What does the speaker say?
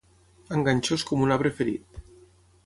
Enganxós com un arbre ferit.